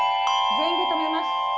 全員で止めます。